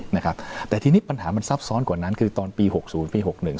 นะครับแต่ที่นี้ปัญหามันซับซ้อนกว่านั้นตอนปีหกศูนย์และปีหกหนึ่ง